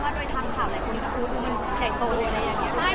ว่าหากทางข่าวอะไรคนก็พูดว่าคุณแข็งโตรอย่างแบบนี้